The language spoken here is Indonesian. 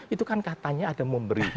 itu kan katanya ada memberi